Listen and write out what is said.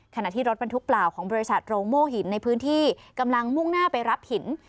ขณะที่รถบรรทุกเปล่าของบริษัทโรงโม่หินในพื้นที่กำลังมุ่งหน้าไปรับหิน